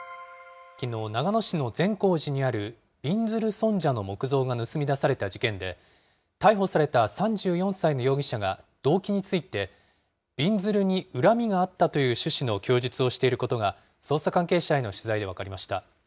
きのう、長野市の善光寺にあるびんずる尊者の木像が盗み出された事件で、逮捕された３４歳の容疑者が動機について、びんずるに恨みがあったという趣旨の供述をしていることが、捜査関係者への取材で分かりました。